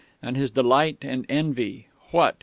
And his delight and envy!... What!